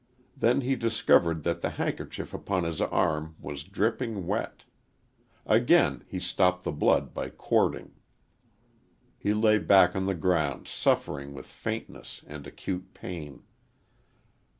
Then he discovered that the handkerchief upon his arm was dripping wet. Again he stopped the blood by cording. He lay back on the ground suffering with faintness and acute pain.